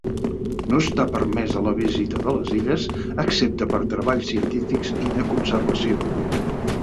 No està permesa la visita de les illes, excepte per treballs científics i de conservació.